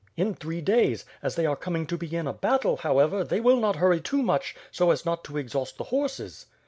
"In three days. As they are coming to begin a battle, how ever, they will not hurry too much, so as not to exhaust the horses."